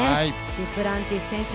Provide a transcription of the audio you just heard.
デュプランティス選手。